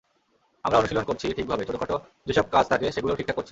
আমরা অনুশীলন করছি ঠিকভাবে, ছোটখাটো যেসব কাজ থাকে সেগুলোও ঠিকঠাক করছি।